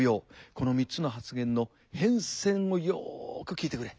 この３つの発言の変遷をよく聞いてくれ。